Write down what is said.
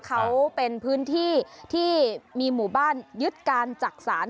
เขาเป็นพื้นที่ที่มีหมู่บ้านยึดการจักษาน